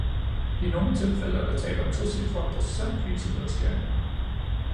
I nogle tilfælde er der tale om tocifrede procentvise nedskæringer.